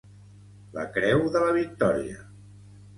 La Creu de la Victòria.